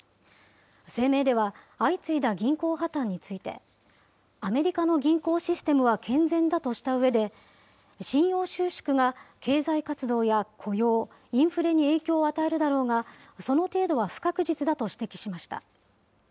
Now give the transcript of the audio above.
声明では相次いだ銀行破綻について、アメリカの銀行システムは健全だとしたうえで、信用収縮が経済活動や雇用、インフレに影響を与えるだろうが、その程度は不確実だと指摘しました。